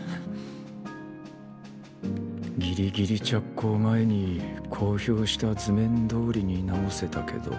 ギリギリ着工前に公表した図面どおりに直せたけど。